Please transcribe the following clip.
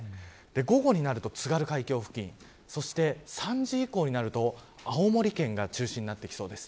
午後になると津軽海峡付近そして３時以降になると青森県が中心になってきそうです。